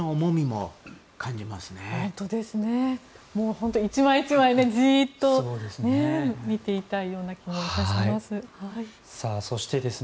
もう本当、１枚１枚じっと見ていたいような気もいたします。